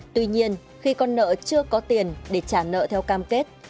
tuy nhiên khi con nợ chưa có tiền để trả nợ theo cam kết